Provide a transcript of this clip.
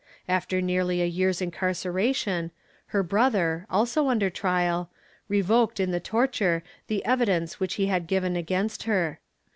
After nearly a year's incarceration, her brother, also under trial, revoked in the torture the evidence which he had given against her.